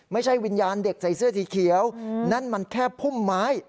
ไม่ใช่วิญญาณเด็กใส่เสื้อสีเขียวนั่นมันแค่พุ่มไม้